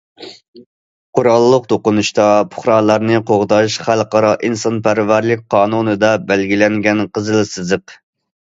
قوراللىق توقۇنۇشتا پۇقرالارنى قوغداش خەلقئارا ئىنسانپەرۋەرلىك قانۇنىدا بەلگىلەنگەن قىزىل سىزىق.